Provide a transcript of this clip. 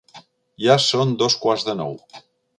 Ja són dos quarts de nou.